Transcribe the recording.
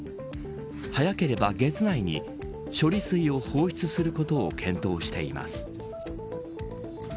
早ければ月内に処理水を放出することを検討しています。